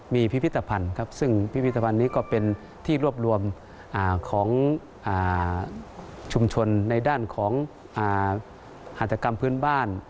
มีพิพิธภัณฑ์ครับซึ่งพิพิธภัณฑ์นี้ก็เป็นที่รวบรวมของชุมชนในด้านของหัตกรรมพื้นบ้าน